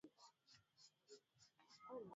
ikiwa bidhaa hizo zitakuwa gali katika soko la dunia